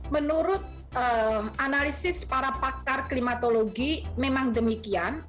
menurut analisis para pakar klimatologi memang demikian